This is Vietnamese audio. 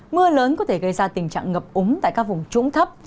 mưa lớn có thể gây ra tình trạng ngập úng tại các vùng trũng thấp